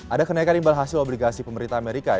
ada kenaikan imbal hasil obligasi pemerintah amerika